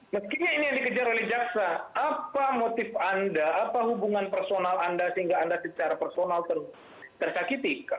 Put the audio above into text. mestinya ini yang dikejar oleh jaksa apa motif anda apa hubungan personal anda sehingga anda secara personal tersakiti